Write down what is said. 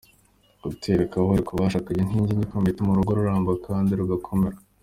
Gutera akabariro ku bashakanye ni inkingi ikomeye ituma urugo ruramba kandi rugakomera.